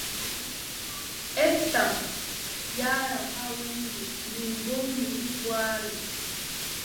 Eftam, yaaram haa weendu, min boo, mi waalo.